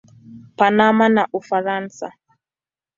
Panama na Ufaransa.